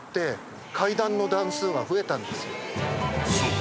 ［そう。